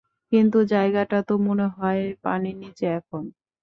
কিন্তু, জায়গাটা তো মনে হয় পানির নিচে এখন!